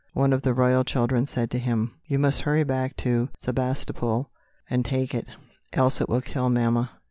One of the royal children said to him, "You must hurry back to Sebastopol and take it, else it will kill mamma!"